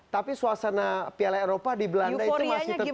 tapi suasana piala eropa di belanda itu masih tetap